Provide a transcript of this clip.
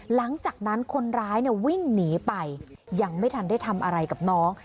หลังจากนั้นคนร้ายเนี่ยวิ่งหนีไปยังไม่ทันได้ทำอะไรกับน้อง